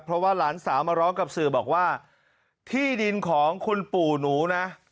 เพราะว่าหลานสาวมาร้องกับสื่อบอกว่าที่ดินของคุณปู่หนูนะ